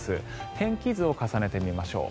天気図を重ねてみましょう。